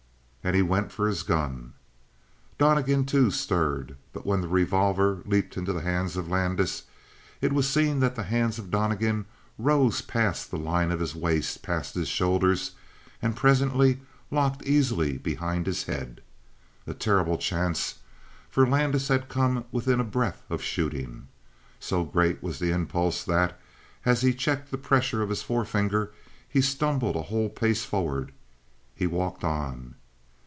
And he went for his gun. Donnegan, too, stirred. But when the revolver leaped into the hand of Landis, it was seen that the hands of Donnegan rose past the line of his waist, past his shoulders, and presently locked easily behind his head. A terrible chance, for Landis had come within a breath of shooting. So great was the impulse that, as he checked the pressure of his forefinger, he stumbled a whole pace forward. He walked on.